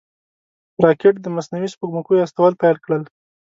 راکټ د مصنوعي سپوږمکیو استول پیل کړل